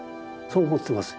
そう思ってます。